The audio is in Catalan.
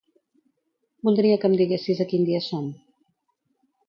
Voldria que em diguessis a quin dia som.